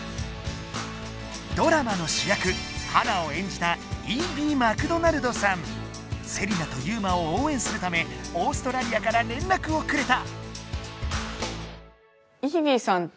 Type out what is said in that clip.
ドラマの主役ハナを演じたセリナとユウマをおうえんするためオーストラリアかられんらくをくれた。